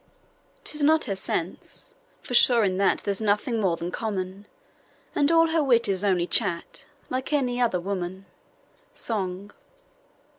'Tis not her sense, for sure in that There's nothing more than common; And all her wit is only chat, Like any other woman. SONG.